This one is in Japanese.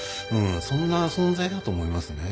そんな存在だと思いますね。